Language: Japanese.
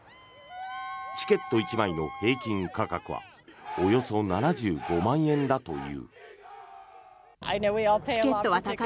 チケット１枚の平均価格はおよそ７５万円だという。